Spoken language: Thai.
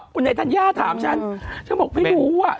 คุณนายธัญญาถามฉันเธอบอกไม่รู้อะ